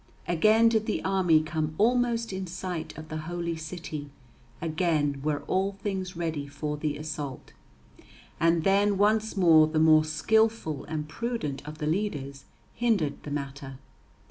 Again did the army come almost in sight of the Holy City; again were all things ready for the assault. And then once more the more skilful and prudent of the leaders hindered the matter.